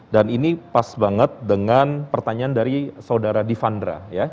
dan ini pas banget dengan pertanyaan dari saudara divandra ya